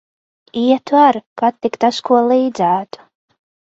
Ietu ar, kad tik tas ko līdzētu.